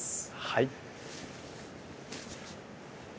はい。